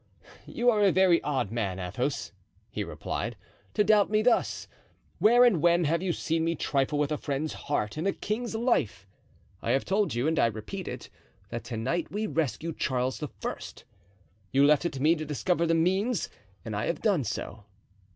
"You are a very odd man, Athos," he replied, "to doubt me thus. Where and when have you seen me trifle with a friend's heart and a king's life? I have told you, and I repeat it, that to night we rescue Charles I. You left it to me to discover the means and I have done so."